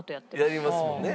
やりますもんね。